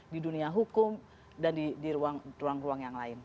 di dunia hukum dan di ruang ruang yang lain